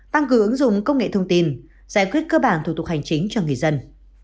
tăng cường ứng dụng công nghệ thông tin giải quyết cơ bản thủ tục hành chính cho người dân